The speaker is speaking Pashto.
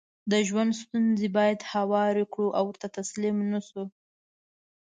دژوند ستونزې بايد هوارې کړو او ورته تسليم نشو